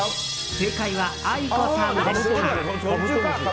正解はａｉｋｏさんでした。